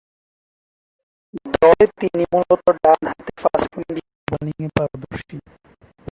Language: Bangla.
দলে তিনি মূলতঃ ডানহাতে ফাস্ট মিডিয়াম বোলিংয়ে পারদর্শী।